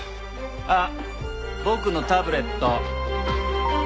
あっ僕のタブレット。